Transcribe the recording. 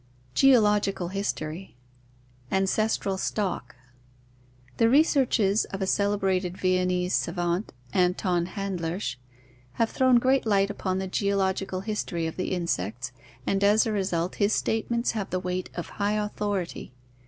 Geological History Ancestral Stock. — The researches of a celebrated Viennese savant, Anton Handlirsch, have thrown great light upon the geolog ical history of the insects and as a result his statements have the weight of high authority.